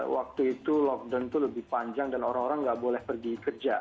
waktu itu lockdown itu lebih panjang dan orang orang nggak boleh pergi kerja